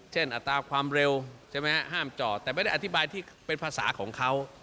อัตราความเร็วใช่ไหมฮะห้ามจอดแต่ไม่ได้อธิบายที่เป็นภาษาของเขา